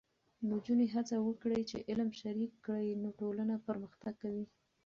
نجونې هڅه وکړي چې علم شریک کړي، نو ټولنه پرمختګ کوي.